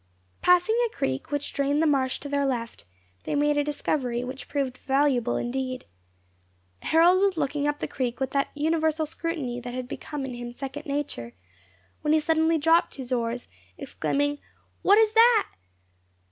Passing a creek which drained the marsh to their left, they made a discovery, which proved a valuable one indeed. Harold was looking up the creek with that universal scrutiny that had become in him second nature, when he suddenly dropped his oars, exclaiming, "What is that?"